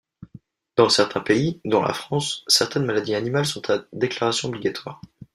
Dans certains pays, dont la France, certaines maladies animales sont à déclaration obligatoire.